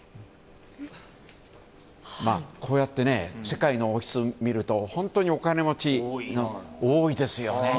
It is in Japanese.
こうやって世界の王室を見ると本当にお金持ちが多いんですよね。